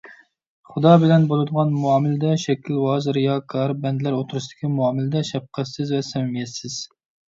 خۇدا بىلەن بولىدىغان مۇئامىلىدە شەكىلۋاز، رىياكار، بەندىلەر ئوتتۇرىسىدىكى مۇئامىلىدە شەپقەتسىز ۋە سەمىمىيەتسىز.